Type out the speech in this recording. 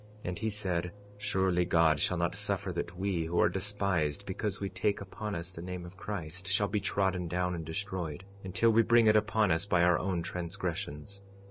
46:18 And he said: Surely God shall not suffer that we, who are despised because we take upon us the name of Christ, shall be trodden down and destroyed, until we bring it upon us by our own transgressions.